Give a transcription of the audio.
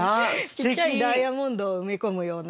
ちっちゃいダイヤモンドを埋め込むような。